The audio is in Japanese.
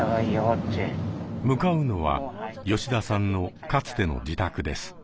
向かうのは吉田さんのかつての自宅です。